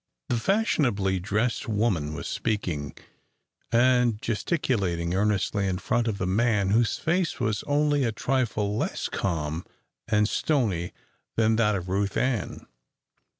The fashionably dressed woman was speaking and gesticulating earnestly in front of the man whose face was only a trifle less calm and stony than that of Ruth Ann.